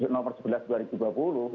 nomor sebelas dua ribu dua puluh itu ya